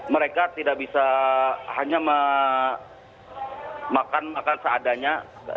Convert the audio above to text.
mereka tidak bisa hanya memakan makan seadanya